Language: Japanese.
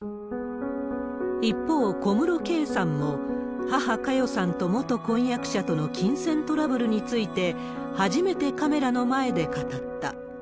一方、小室圭さんも母、佳代さんと元婚約者との金銭トラブルについて、初めてカメラの前で語った。